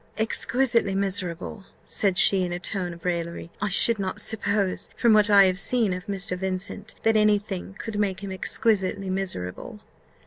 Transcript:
"Exquisitely miserable!" said she, in a tone of raillery: "I should not suppose, from what I have seen of Mr. Vincent, that any thing could make him exquisitely miserable."